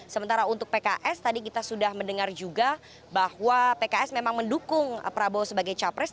sementara untuk pks tadi kita sudah mendengar juga bahwa pks memang mendukung prabowo sebagai capres